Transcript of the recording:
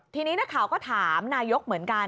ทีนี้นักข่าวก็ถามนายกเหมือนกัน